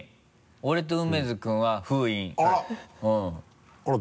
俺と梅津君は「封印」あら！